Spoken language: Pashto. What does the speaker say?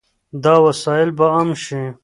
دا وسایل به عام شي.